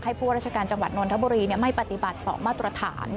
ให้ผู้ราชการจังหวัดนวลธบุรีไม่ปฏิบัติสองมาตรฐาน